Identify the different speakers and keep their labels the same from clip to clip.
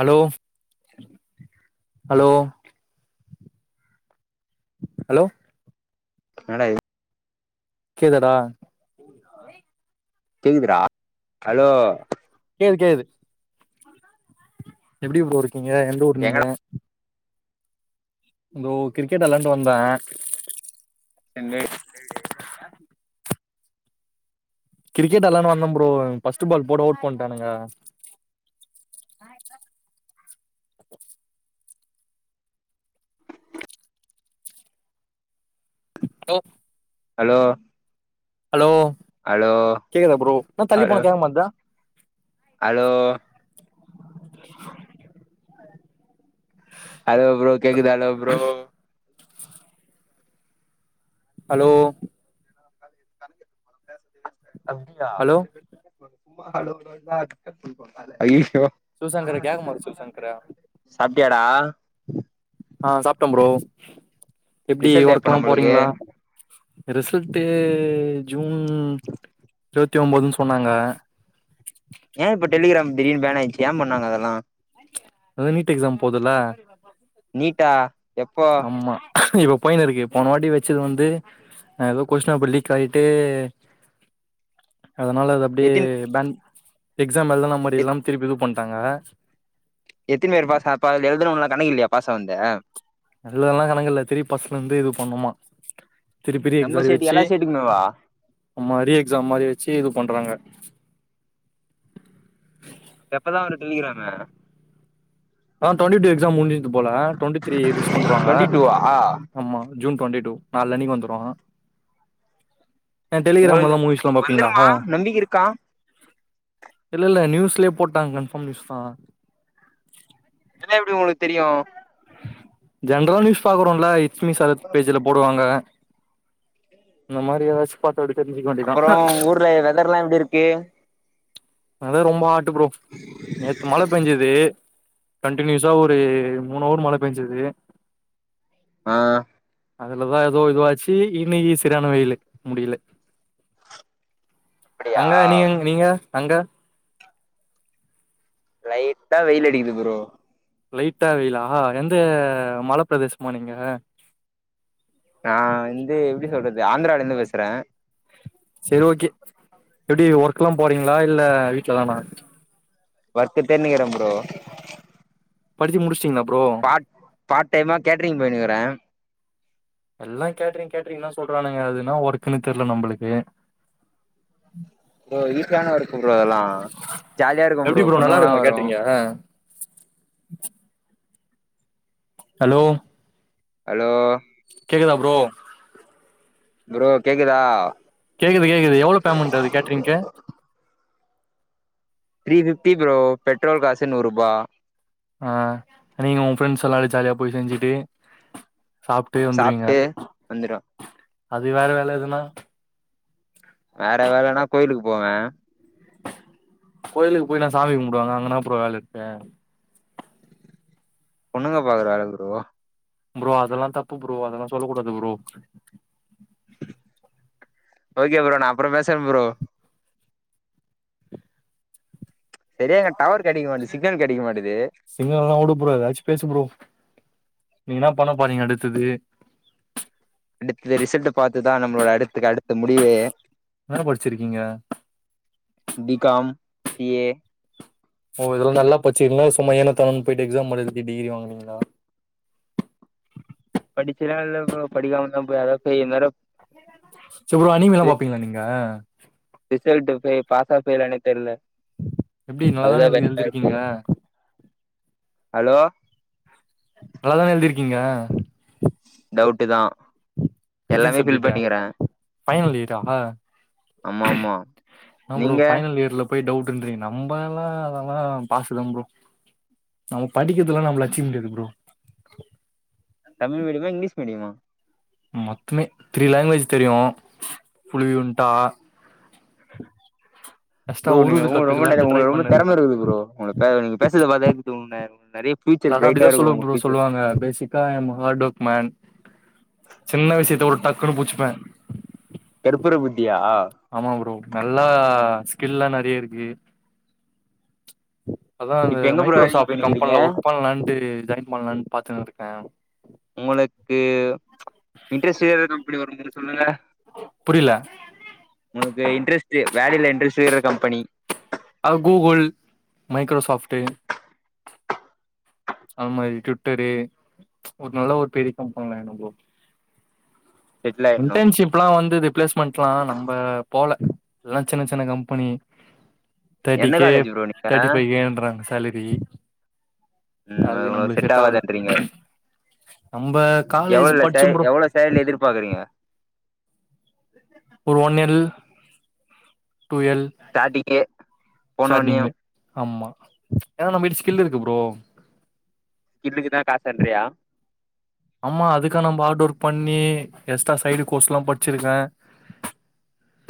Speaker 1: Allow hello hello
Speaker 2: என்னடா இ
Speaker 1: கேதடா
Speaker 2: கெகுதுடா அலோ
Speaker 1: எப்டி ப்ரோ இருக் கிங்க எந்த ஊர் நீங்க
Speaker 2: எங்கடா
Speaker 1: தோ கிரிக்கெட் விலண்டு வந்த
Speaker 2: நின்னு
Speaker 1: [inaudible] கிரிக்கெட் எல்லனு வந்தோம் ப்ரோ பஸ்ட் பால் போட அவுட் பண்டானுங்க. லோ
Speaker 2: ஹலோ
Speaker 1: ஹலோ
Speaker 2: ஹலோ
Speaker 1: கேக்குதா ப்ரோ நா தள்ளி
Speaker 2: ஹலோ
Speaker 1: போனே கேக்க மாட்து
Speaker 2: ஹலோ அலோ ப்ரோ கேக்குதா அலோ ப்ரோ
Speaker 1: அலோ
Speaker 2: [inaudible] அப்டியா
Speaker 1: ஹலோ
Speaker 2: சும்மா ஹலோ நோன கட் பன்ட் வன்ட்டாலே ஐயோ
Speaker 1: சிவசங்கர கேக்க மாட்து சிவசங்கர
Speaker 2: சாப் டியாடா
Speaker 1: ஆ சாப்ட்ட ப்ரோ எப்டி
Speaker 2: ரிசல்ட் எப்ப
Speaker 1: ஒர்க்லா
Speaker 2: நம்மளுக்கு
Speaker 1: போறீங்களா ரிசல்ட்டு ஜூன் இருவத்தி ஒம்பதுன்னு சொன்னாங்க
Speaker 2: ஏ இப்ப டெலிகிராம் தீடீர்னு பேன் ஆயிச்சு ஏ பண்ணாங்க அதெல்லா
Speaker 1: அதா நீட் எக்ஸாம் போதுல்ல
Speaker 2: நீட்டா எப்போ
Speaker 1: அம்மா இவ பயில இருக்கு போன வாட்டி வச்சது வந்து ஆ ஏதோ கொஷினாப்பர் லீக் ஆயிட்டு அதனால அது அப்படியே
Speaker 2: எத்தின்
Speaker 1: பேண் எக்ஸாம் எழுதுன மாரிலாம் திருப்பி இது பன் பாத்தாங்க
Speaker 2: எத்தின பேரு பாஸ் அப்ப அதுல எழுதுனவங்க கணக்கு இல்லையா பாசா வந்து
Speaker 1: நல்லதெல்லா கணக்கு இல்ல திரிபி பஸ்ட்ல இருந்து இது பண்ணுமா திருப்பி ரீ
Speaker 2: நம்ம
Speaker 1: எக்ஸாம்
Speaker 2: ஸ்டேட்
Speaker 1: வச்சு
Speaker 2: எல்லா ஸ்டேட்டுக்குமேவா
Speaker 1: மறு எக்ஸாம் மாரி வச்சு இது பண்றாங்க [inaudible]
Speaker 2: அப்ப எப்பதா வரு டெலிகிராமு
Speaker 1: இப்பதா டுவெண்ட்டி டூ எக்ஸாம் முடிஞ்சது போல டுவெண்ட்டி த்ரீ மிஸ் பண்றாங்க
Speaker 2: டுவெண்ட்டி டூவா
Speaker 1: ஆமா ஜூன் டுவெண்ட்டி டூ நாளானிக்கு வந்துரு ஆ டெலிகிராம்லலா
Speaker 2: உங்களுக்கு
Speaker 1: மூவிஸ்லா பாப்பீங்களா
Speaker 2: வந்துருமா நம்பிக்கை இருக்கா
Speaker 1: இல்லல்ல நியூஸ்லே போட்டாங்க கன்பார்ம் நியூஸ் தா
Speaker 2: எப்படி உங்களுக்கு தெரியும்
Speaker 1: ஜென்ரல் நியூஸ் பாக்கரோலை லட்சுமி சரத் பேஜ்ல போடுவாங்க இந்த மாரி ஏதாச்சு பா
Speaker 2: அப்புறம் ஊர்ல வெதர்லா எப்படி இருக்கு
Speaker 1: அது ரொம்ப ஆன் ட்டு ப்ரோ நேத்து மழ பெஞ்சது கண்டனியூஸா ஒரு மூணு அவர் மழ பெஞ்சது
Speaker 2: அ
Speaker 1: அதுலதா ஏதோ இதுவாச்சு ஈவீனிங்ல செரியான வெயிலு முடியல
Speaker 2: அப்படியா
Speaker 1: அங்க நீங்க நீங்க அங்க
Speaker 2: லைட்டா வெயில் அடிக்குது ப்ரோ
Speaker 1: லைட்டா வெயிலா எந்த மல பிரதேசமா நீங்க
Speaker 2: நா வந்து எப்டி சொல்றது ஆந்ரால இருந்து பேசறே
Speaker 1: செரி ஓகே எப்டி ஒர்க்ல்லா போறீங்ளா இல்ல வீட்லதானா
Speaker 2: ஒர்க்கு தேடின்னு இருக்கற ப்ரோ
Speaker 1: படுச்சு முடுச்சுட்டிங்ளா
Speaker 2: பார்ட் பார்ட் டைம்மா கேட்ரிங் பண்ணி [unintelligible] அ
Speaker 1: எல்லா கேட்ரீங் கேட்ரீங்னா சொல்றானுங்க அது என்னா ஒர்க்னு தெர்ல நம்ளுக்கு
Speaker 2: ப்ரோ ஈசியான ஒர்க்கு ப்ரோ அதெல்லா ஜாலியா இருக்கும்
Speaker 1: எப்டி
Speaker 2: ப்ரோ
Speaker 1: நல்லா
Speaker 2: பொண்ணுங்கல்லா
Speaker 1: இருக்குமா
Speaker 2: வரும்
Speaker 1: கேட்ரிங்கு ஹலோ
Speaker 2: ஹலோ
Speaker 1: கேக்குதா புரோ
Speaker 2: புரோ கேக்குதா
Speaker 1: கேக்குது கேக்குது எவ்ளோ பேமெண்ட் அது கேட்ரிங்க்கு
Speaker 2: த்ரீ பிஃப்டி புரோ பெட்ரோல் காசு நூறூபா
Speaker 1: ஆஹ் நீங்க உங்க ஃப்ரெண்ட்ஸெல்லா ஜாலியா போய் செஞ்சுட்டு சாப்ட்டே வந்துருவீங்க
Speaker 2: சாப்ட்டு வந்துரு
Speaker 1: அது வேற வேல எதுன்னா
Speaker 2: வேற வேலனா கோயிலுக்கு போவே
Speaker 1: கோயிலுக்கு போய் நா சாமி கும்டுவாங்க அங்கனா போற என்ன வேல இருக்கு
Speaker 2: பொண்ணுங்க பாக்ற வேல ப்ரோ
Speaker 1: புரோ அதெல்லா தப்பு புரோ அதெல்லாம் சொல்லகூடாது புரோ
Speaker 2: ஓகே புரோ நா அப்றோம் பேசுறே புரோ
Speaker 1: [unintelligible]
Speaker 2: செரியா இங்க டவர் கெடைக்க மாட்டுது சிக்னல் கெடைக்க மாட்டுது
Speaker 1: சிங்களல்லா வுடு ப்ரோ ஏதாச்சு பேசு ப்ரோ நீங்க என்ன பண்ண போறீங்க அடுத்தது
Speaker 2: அடுத்த ரிசல்ட் பாத்துதான் நம்மளோட அடுத்துக அடுத்த முடிவே
Speaker 1: என்ன படுச்சுருக்கீங்க
Speaker 2: பி காம் பி ஏ
Speaker 1: ஓ இதெல்லா நல்லா பச்சிங்களா சும்மா ஏனோதானோனு போய்ட்டு எக்ஸாம் பண்ணிட்டு டிகிரி வாங்னீங்ளா
Speaker 2: படுச்சுனா இல்லே புரோ படிக்காமதா ப்ரோ அதாஃபெயில் இந்நேரம்
Speaker 1: சு அனிமில்லா பாப்பீங்ளா நீங்க
Speaker 2: ரிசல்ட் போய் பாஸா ஃபெயிலான்னு தெரியல
Speaker 1: எப்டி நல்லாதானே எ எழுதியிருக்கீங்க
Speaker 2: ஹலோ
Speaker 1: நல்லாதான எழுதிருக் க்கீங்க
Speaker 2: டவுட்டு தான்
Speaker 1: எத்தினி
Speaker 2: எல்லாமே ஃபில்
Speaker 1: சப்ஜெக்ட்டு
Speaker 2: பண்ணிக்கறே
Speaker 1: ஃபைனல் இயரா அப்ப
Speaker 2: ஆமாம்மா
Speaker 1: ப்ரோ
Speaker 2: நீங்க
Speaker 1: ஃபைனல் இயர்ல போய் டவுட்ன்றீங்க நம்ம எல்லாம் அதெல்லாம் பாசுதான் புரோ நம்ம படிக்கிறதுஎ ல்லாம் நம்மள அடிச்சிக்க முடியாது புரோ
Speaker 2: தமிழ் மீடியமா இங்கிலீஷ் மீடியமா
Speaker 1: மொத்தமே த்ரீ லாங்குவேஜ் தெரியும் புழுவி உண்டா
Speaker 2: புரோ நீங்க உங்க ரொம்பங்க ரொம்ப திறமை இருக்குது புரோ உ நீங்க பேசற பாத்தா நிறைய
Speaker 1: எல்லாரும் அப்படி தான் சொல்ல சொல்லுவாங்க பேசிக்கா ஹார்டு ஒர்க் சின்ன விஷயத்த ஒரு டக் கப்னு புச்சுப்பேன்
Speaker 2: கருப்பூர புத்தியா
Speaker 1: ஆமா ப்ரோ நல்லா ஸ்கில்லெலாம் நிறைய இருக்கு அதான் அந்த
Speaker 2: இப்ப எங்க ப்ரோ வேலைக்கு
Speaker 1: மைக்ரோசாப்ட்
Speaker 2: போய்னுக்கிறீங்க
Speaker 1: கம்பென்ல ஒர்க் பண்ணலான்ட்டு ஜாயின் பண்ணலாம்னு பாத்துன்னு இருக்க ம்
Speaker 2: உங்களுக்கு இன்ட்ரெஸ்ட் இருக்க கம்பெனி வரும் சொல்லுங்க
Speaker 1: புரில
Speaker 2: உனக்கு இன்ட்ரெஸ்ட் வேலையில இன்ட்ரஸ்ட் இருக்க கம்பெனி
Speaker 1: அ கூகுள் மைக்ரோசாப்ட்டு அது மாதிரி ட்விட்டரு ஒரு நல்ல ஒரு பெரிய கம்பெனில ப்ரோ
Speaker 2: செட்டில் ஆயிட்ணு
Speaker 1: இன்டர்ன்ஷிப்ல்லாம் வந்துது பளேஸ்மெண்ட்லா நம்ம போல எல்லா சின்ன சின்ன கம்பெனி தேர்டி
Speaker 2: எந்த
Speaker 1: கே
Speaker 2: காலேஜ் ப்ரோ நீங்க
Speaker 1: தேர்டி ஃபைகேன்றாங்க சேலரி
Speaker 2: ம்
Speaker 1: அது
Speaker 2: உங்களுக்கு
Speaker 1: நம்மளுக்கு செட் ஆகல
Speaker 2: ஆவாதுன்றீங்க
Speaker 1: நம்ம காலேஜ்
Speaker 2: எவ்ளோல சே
Speaker 1: படிச்சோம் ப்ரோ
Speaker 2: எவ்ளோ சேலரி எதிர்பாக்குறீங்க
Speaker 1: ஒரு ஒன் எல் டூ எல்
Speaker 2: ஸ்டார்டிங்கே
Speaker 1: ஸ்டார்டிங்கு
Speaker 2: போனோன்னியம்
Speaker 1: ஆமா ஏனா நம்ம கிட்ட ஸ்கில் இருக்கு ப்ரோ
Speaker 2: கிள்ளுக்கு தா காசேன்றியா
Speaker 1: ஆமா அதுக்கா நம்ம ஹார்ட் ஒர்க் பண்ணி எக்ஸ்ட்ரா சைடு கோர்ஸ்ல்லாம் படிச்சிருக்க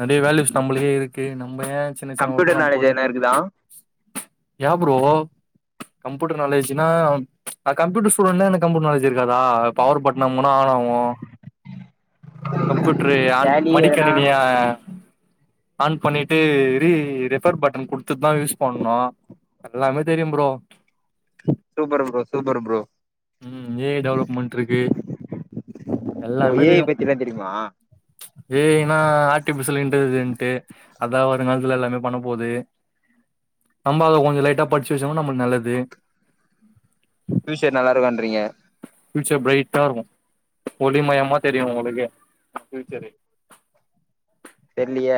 Speaker 1: நறைய வேல்யூஸ் நம்முளுக்கே இருக்கு நம்ம ஏ சின்ன சின்ன ஒர்க்
Speaker 2: கம்ப்யூட்டர்
Speaker 1: எல்லாம்
Speaker 2: நாலேஜ்
Speaker 1: போய்
Speaker 2: எதனா இருக்குதா
Speaker 1: ஏ ப்ரோ கம்ப்யூட்டர் நாலேஜ்னா நா கம்ப்யூட்டர் ஸ்டுடென்ட்னா எனக்கு கம்ப்யூட்டர் நாலேஜ் இரு க்காதா பவர் பட்டன் அமுகுனா ஆன் ஆகும் கம்ப்யூட்டரு ஆன்
Speaker 2: டேலி
Speaker 1: மடி
Speaker 2: எதனா
Speaker 1: கணினிய ஆன் பண்ணிட்டு ரீ ரெஃபர் பட்டன் குடுத்துட்டு தா யூஸ் பண்ணும் எல்லாமே தெரியும் bro
Speaker 2: super bro super bro
Speaker 1: உம் ஏஐ டெவலப்மென்ட் இருக்கு
Speaker 2: ஓ
Speaker 1: எல்லாமே
Speaker 2: ஏ ஐ
Speaker 1: தெரியும்
Speaker 2: பத்திலா தெரியுமா
Speaker 1: ஏஜ னா ஆர்டிபிஷியல் இன்டெலிஜென்ட்டு அதா வருங்காலத்துல எல்லாமே பண்ண போகுது நம்ம அத கொஞ்சம் லைட்டா படிச்சு வச்சோனா நம்மளுக்கு நல்லது
Speaker 2: ஃப்யுசர் நல்லா இருக்கும்ன்றீங்க
Speaker 1: ஃப்யூச்சர் பிரைட்டா இருக்கும் ஒளி மயமா தெரியும் உங்களுக்கே ஃப் யுச்சரு
Speaker 2: தெர்லயே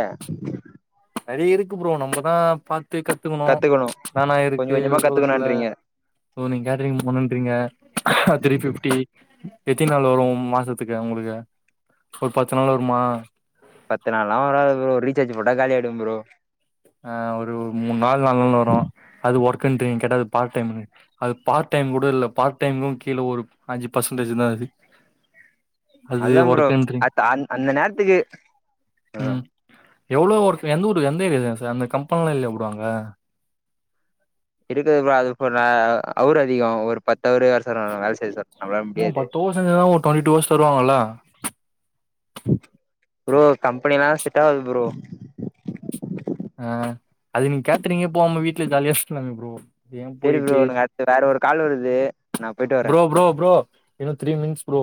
Speaker 1: நறையா இருக்கு ப்ரோ நம்மதா பாத் த்து கத்துக்கணும்
Speaker 2: கத்துக்கணு
Speaker 1: என்னனா
Speaker 2: கொஞ்ச
Speaker 1: இருக்கு
Speaker 2: கொஞ்சமா
Speaker 1: உலகத்துல
Speaker 2: கத்துக்கணுன்றீங்க
Speaker 1: இப்போ நீங்க கேட்டரிங் போனும்றீங்க அ த்ரீ ஃபிஃப்டி எத்தின நாள் வரும் மாசத்துக்கு உங்களுக்கு ஒரு பத்து நாள் வருமா
Speaker 2: பத்து நாள்லாம் வராது ப்ரோ ரீசார்ஜ் போட்டா காலியாயிடம் ப்ரோ
Speaker 1: ஆ ஒரு மூணு நாள் நாலு நாள் வரும் அது ஒர்க் பண்றீங்க கேட்டா அது பார்ட் டைம் அது பார்ட் டைம் கூட இல்ல பார்ட் டைம்க கீழே ஒரு அஞ்சு பர்சன்டேஜ் தான் அது அது
Speaker 2: அதான் ப்ரோ
Speaker 1: ஒர்க்குன்றீங்க
Speaker 2: அ அந்த நேரத்துக்கு
Speaker 1: ம் எவ்வளவு ஒர்க எந்த ஊரு ஏரிய சார் அந்த கம்பனியாலம் இல்லையா ப்ரோ அங்க
Speaker 2: இருக்குது ப்ரோ அது போ ந ஹவர் அதிகம் ஒரு பத்து ஹவர் வேலை சொல்றாங்க வேலை செய்ய நம்மள முடியாது
Speaker 1: தருவாங்கள
Speaker 2: ப்ரோ கம்பெனிலாம் செட் ஆவாது ப்ரோ
Speaker 1: ஆ அது நீங்க கேட்றீங்க போவாம வீட்டுல ஜாலியா [unintelligible] ப்ரோ ஏன்
Speaker 2: சேரி ப்ரோ
Speaker 1: போயிட்டு
Speaker 2: எனக்கு அத்து வேற ஒரு கால் வருது நான் போயிட்டு வரேன்
Speaker 1: ப்ரோ ப்ரோ ப்ரோ இன்னும் த்ரீ மின்ஸ் ப்ரோ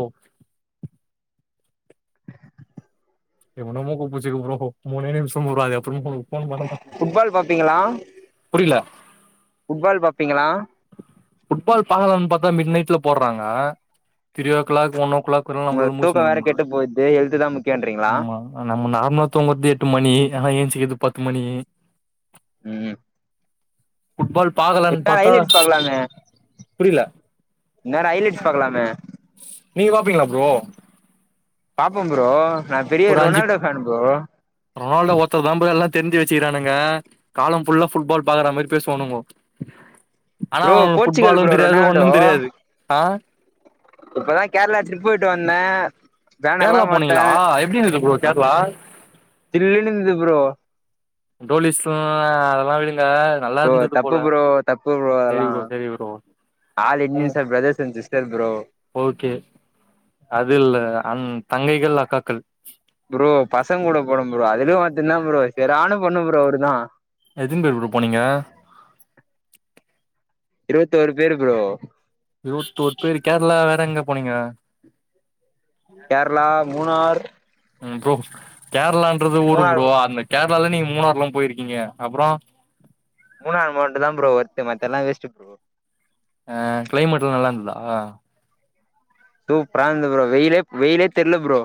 Speaker 1: [unintelligible] மூனே நிமிஷம் ப்ரோ அதுக்கு அப்புறம்
Speaker 2: புட்பால் பார்ப்பீங்களா
Speaker 1: புரியல
Speaker 2: ப்பீங்களா
Speaker 1: புட்பால் பலாம்னு பார்த்தா மிட் நைட்ல போடுறாங்க three o'clock one clock வரணும் நம்மளால
Speaker 2: உங்களுக்கு தூக்கோ
Speaker 1: முழுச்சுகின்னு இருக்க
Speaker 2: வேற
Speaker 1: முடியல
Speaker 2: கெட்டு போயிடுது ஹெல்த் தா முக்கியன்றீங்களா
Speaker 1: ஆமா நம்ம நார்மலா தூங்கது எட்டு மணி ஆனா எலிச் க்குது பத்து மணி
Speaker 2: ம்
Speaker 1: புட்பால் பாக்கலனு பாத்
Speaker 2: ஹைலைட்சு பார்க்கலாமே இந்நேரம் ஹைலைட் பார்க்கலாமே
Speaker 1: நீங்க பாப்பீங்களா ப்ரோ
Speaker 2: பாப்ப ப்ரோ நான் பெரிய
Speaker 1: ஒரு அஞ்சு
Speaker 2: ரொனால்டோ ஃபேன் ப்ரோ
Speaker 1: ரொனால்டோ ஒருத்தர் தான் ப்ரோ எல்லாம் தெரிஞ்சு வச்சுக்கிறானுங்க காலம் ஃபுல்லா புட்பால் பாக்குற மாதிரி பேசுவானுங்க ஆனா
Speaker 2: ப்ரோ
Speaker 1: அவ
Speaker 2: போர்ச்சுகல்
Speaker 1: புுட்பாலும்
Speaker 2: ப்ரோ
Speaker 1: தெரியாது ஒன்னும் தெரியாது ஆ
Speaker 2: இப்பதான் கேரளா ட்ரிப் போயிட்டு வந்த பேனர்
Speaker 1: கேரளா
Speaker 2: எல்லாம்
Speaker 1: போனீங்களா
Speaker 2: போட்டேன்
Speaker 1: எப்டி இருந்தது ப்ரோ கேரளா
Speaker 2: சில்லுண்ணு இருந்தது ப்ருோ
Speaker 1: டோலிஸ் ம் அதெல்லாம் விடு நல்லா
Speaker 2: ப்ரோ
Speaker 1: இருந்தது
Speaker 2: தப்பு
Speaker 1: போல
Speaker 2: ப்ரோ தப்பு
Speaker 1: சரி
Speaker 2: அதெல்லா
Speaker 1: ப்ரோ சரி ப்ரோ
Speaker 2: ஆல்
Speaker 1: ம்
Speaker 2: Indians are brothers and sister bro
Speaker 1: okay அது இல்ல தங்கைகள் அக்காக்கள்
Speaker 2: ப்ரோ பசங்க கூட போன ப்ரோ அதுலும் ஒருத்தன் இருந்தான் ப்ரோ சரியான பண்ணு ப்ரோ அவரு தான்
Speaker 1: எத்தன பேர் ப்ரோ போனீங்க
Speaker 2: இருபத்தூர் பேர் ப்ரோ
Speaker 1: இருவத்தோர் பேர் கேரளா வேற எங்க போனீங்க
Speaker 2: கேரளா மூணார்
Speaker 1: ப்ரோ கேரளா ன்றது ஊரு
Speaker 2: மூணார்
Speaker 1: ப்ரோ அந்த கே ரளாள மூணாறு எல்லாம் போயிருக்கீங்க அப்புறோ
Speaker 2: ஷிப் ப்ரோ
Speaker 1: அ கிளைமேட் எல்லா நல்லா இந்துதா
Speaker 2: டூ பிராந்து ப்ரோ வெய்யிலே வெய்யிலே தெர்ல ப்ரோ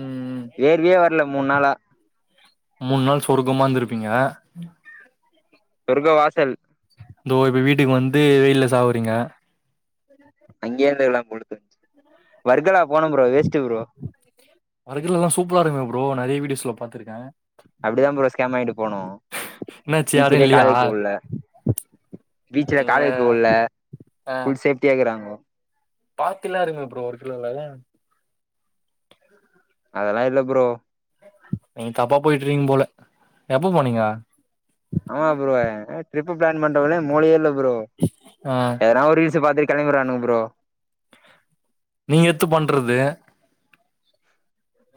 Speaker 1: ம்
Speaker 2: வேர்வயே வர்ல மூண் நாளா
Speaker 1: மூண் நாள் சொர்க்கமா இருந்திருப்பீங்க
Speaker 2: சொர்க வாசல்
Speaker 1: இந்தோ இப்ப வீட்டுக்கு வந்து வெய்யில சாவுறீங்க
Speaker 2: அங்கேயே இருந்திருக்கலாம் போல தோணுச்சு வர்கலா போனோம் ப்ரோ வேஸ்ட்டு ப்ரோ
Speaker 1: வர்கள்ல எல்லாம் சூப்பரா இருக்குமே ப்ரோ நெறயா வீடியோஸ்ல பாத்திருக்க
Speaker 2: அப்படிதான் ப்ரோ ஸ்கேம் வாங்கிட்டு போனோ
Speaker 1: என்னாச்சு யாரு
Speaker 2: பீச்சலயே
Speaker 1: இல்லையா
Speaker 2: கால் வெக்க வுடுல பீச்சல
Speaker 1: நீங்க
Speaker 2: கால வெக்க வுடுல ஃபுல் சேப்டியா இருக்குறாங்கோ
Speaker 1: பார்க்கெல்லா இருக்குமே ப்ரோ ஒரு பில்லர்ல
Speaker 2: அதெல்லா இல்ல ப்ரோ
Speaker 1: நீ தப்பா போய்ட்டுறீங்க போல எப்ப போனீங்க
Speaker 2: ஆமா ப்ரோ டரிப் பளான் பண்றபோதே மூளயே இல்ல ப்ரோ
Speaker 1: ஆ
Speaker 2: எதனா ஒரு ரீல்ஸ் பாத்து கெளம்பிறானுங்க ப்ரோ
Speaker 1: நீங்க எத்து பண்றது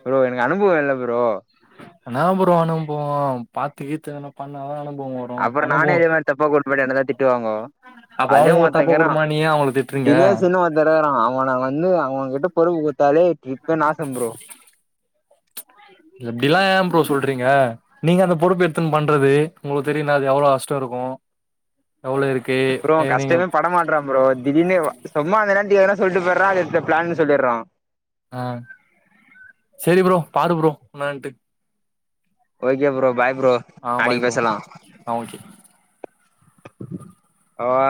Speaker 2: ப்ரோ எனக்கு அனுபவம் இல்ல ப்ரோ
Speaker 1: அனா ப்ரோ அனுபவோ பாத்து கீத்து என்ன பண்ணவா
Speaker 2: அப்புறோ நானே இதே மாதிரி தப்பா கூட்டுபோயிட்டா என்னதா திட்டுவாங்கோ
Speaker 1: அப்ப
Speaker 2: அதே
Speaker 1: அவங்க ஒரு
Speaker 2: ஒருத்தன்
Speaker 1: தப்ப
Speaker 2: கேட்டான்
Speaker 1: குடும்பமா நீ ஏ அவங்கள திட்றீங்க
Speaker 2: தினேஷன்னு ஒருத்தன் இருகிறான் அவன வந்து அவுங்க கிட்ட பொறுப்பு குடுத்தாலே இப்ப நாசம் ப்ரோ
Speaker 1: இப்டி எல்லா ஏன் ப்ரோ சொல்றீங்க நீங்க அந்த பொறுப்பு எடுத்துன்னு பண்றது உங்களுக்கு தெரியல அது எவ்ளோ கஷ்டோ இருக்கு எவ்ளோ இருக்கு
Speaker 2: அப்றோ
Speaker 1: ஏ, நீங்க
Speaker 2: கஷ்டமே பட மாட்றான் ப்ரோ திடீர்னு சும்மா அந்நேரத்துக்கு எதனா சொல்லிட்டு போய்டுறா அது பிளேன்னு சொல்லிடறா
Speaker 1: ஆ செரி ப்ரோ பாரு ப்ரோ என்னான்டு
Speaker 2: ஓகே ப்ரோ பாய் ப்ரோ நாளைக்கு
Speaker 1: ப்ரோ
Speaker 2: பேசலா
Speaker 1: ஆ ஓகே
Speaker 2: அவா